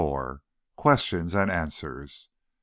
QUESTIONS AND ANSWERS.